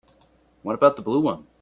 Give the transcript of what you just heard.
What about the blue one?